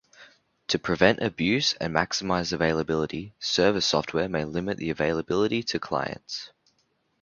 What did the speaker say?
To prevent abuse and maximize availability, server software may limit the availability to clients.